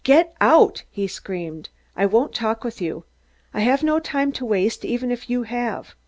"Get out!" he screamed. "I won't talk with you. I have no time to waste, even if you have.